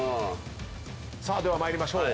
さあでは参りましょう。